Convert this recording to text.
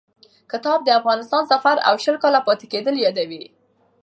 کتاب د افغانستان سفر او شل کاله پاتې کېدل یادوي.